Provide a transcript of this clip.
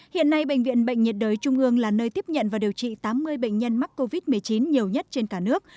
hiện nay bệnh viện bệnh nhiệt đới trung ương là nơi tiếp nhận và điều trị tám mươi bệnh nhân mắc covid một mươi chín nhiều nhất trên cả nước